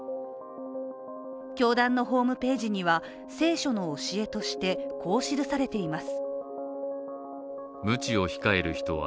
教団のホームページには聖書の教えとしてこう記されています。